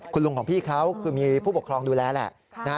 คุณลุงของพี่เขาคือมีผู้ปกครองดูแลแหละ